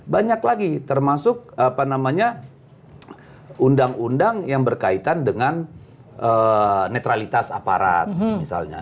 banyak lagi termasuk undang undang yang berkaitan dengan netralitas aparat misalnya